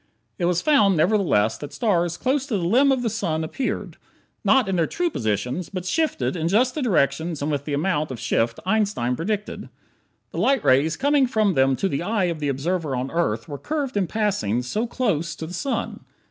It was found, nevertheless, that stars close to the limb of the sun appeared, not in their true positions, but shifted in just the directions and with the amount of shift Einstein predicted. The light rays coming from them to the eye of the observer on Earth were curved in passing so close to the sun.